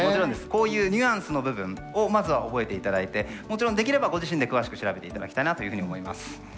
こういうニュアンスの部分をまずは覚えて頂いてもちろんできればご自身で詳しく調べて頂きたいなというふうに思います。